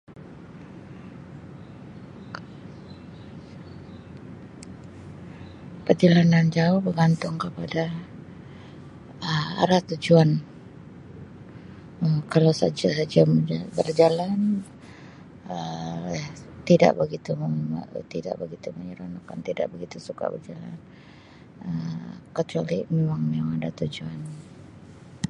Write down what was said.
Perjalanan jauh bergantung kepada Um arah tujuan Um kalau saja-saja berjalan Um tidak begitu men tidak begitu menyeronokkan tidak begitu suka berjalan Um kecuali memang Um memang ada tujuan.